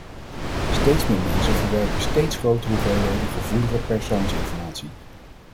Steeds meer mensen verwerken steeds grotere hoeveelheden gevoelige persoonsinformatie.